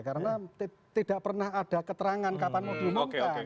karena tidak pernah ada keterangan kapan mau dihubungkan